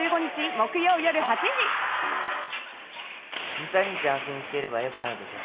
２、３日安静にしていればよくなるでしょう。